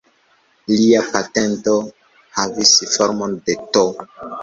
Lia patento havis formon de "T".